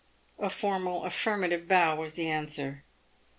A formal affirmative bow was the answer.